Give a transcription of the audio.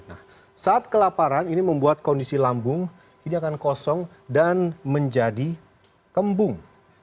nah saat kelaparan ini membuat kondisi lambung ini akan kosong dan menjadi kembung